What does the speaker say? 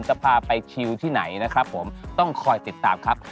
จะพาไปชิวที่ไหนนะครับผมต้องคอยติดตามครับ